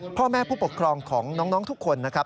พ่อแม่ผู้ปกครองของน้องทุกคนนะครับ